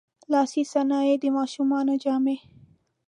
لاسي صنایع، د ماشومانو جامې.